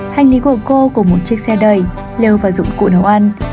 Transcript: hành lý của cô của một chiếc xe đầy vào dụng cụ nấu ăn